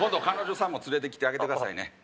彼女さんも連れてきてあげてくださいね